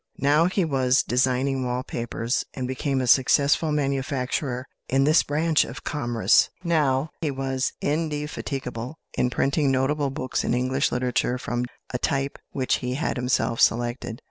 Now he was designing wall papers, and became a successful manufacturer in this branch of commerce: now he was indefatigable in printing notable books in English literature from a type which he had himself selected.